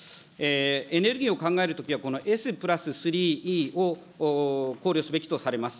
エネルギーを考えるときは、このＳ＋３Ｅを考慮すべきとされます。